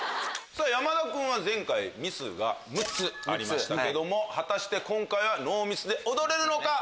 山田君は前回ミスが６つありましたけども果たして今回はノーミスで踊れるのか？